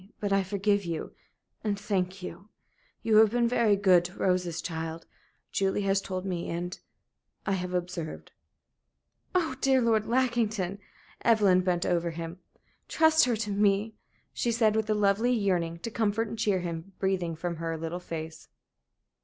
But I forgive you, and thank you. You have been very good to Rose's child. Julie has told me and I have observed " "Oh, dear Lord Lackington!" Evelyn bent over him. "Trust her to me," she said, with a lovely yearning to comfort and cheer him breathing from her little face.